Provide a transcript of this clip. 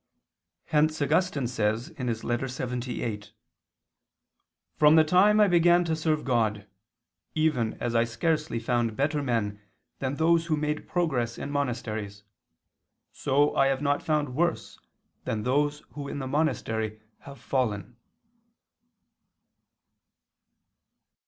Hence Augustine says (Ep. lxxviii ad Pleb. Hippon.): "From the time I began to serve God, even as I scarcely found better men than those who made progress in monasteries, so have I not found worse than those who in the monastery have fallen."